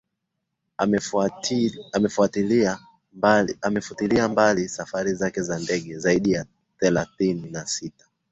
amefutilia mbali safari zake za ndege zaidi ya thelathini na sita